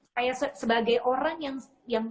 saya sebagai orang yang